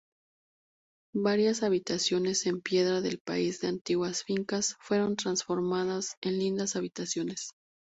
Varias habitaciones en piedra del país de antiguas fincas fueron transformadas en lindas habitaciones.